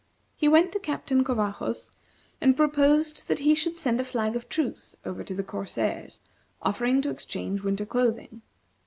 He went to Captain Covajos and proposed that he should send a flag of truce over to the corsairs, offering to exchange winter clothing.